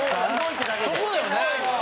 そこだよね？